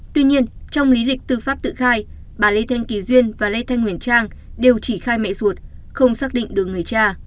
tuy nhiên trong lý lịch tư pháp tự khai bà lê thanh kỳ duyên và lê thanh huyền trang đều chỉ khai mẹ ruột không xác định được người cha